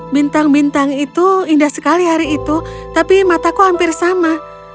bintang bintang itu indah sekali hari itu tapi mataku hampir sama